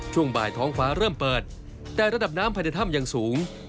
ช่วงบ่ายท้องฟ้าเริ่มเปิดแต่ระดับน้ำภายในถ้ำยังสูง